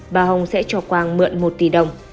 bà hồng sẽ cho quang mượn một tỷ đồng